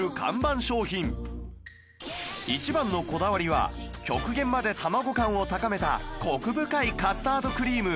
一番のこだわりは極限までたまご感を高めたコク深いカスタードクリーム